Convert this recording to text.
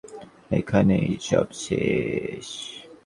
এখানেই সব শেষ।